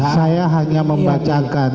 saya hanya membacakan